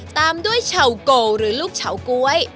ตามด้วยเชาโกหรือลูกเฉาก๊วย